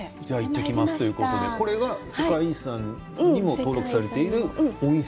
これが世界遺産にも登録されている。